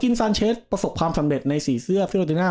ซานเชสประสบความสำเร็จในสีเสื้อเฟโรติน่า